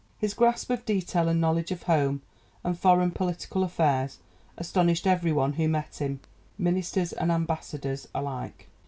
His grasp of detail and knowledge of home and foreign political affairs astonished every one who met him, ministers and ambassadors alike.